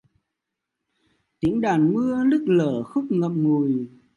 Tiếng đàn mưa nức nở khúc ngậm ngùi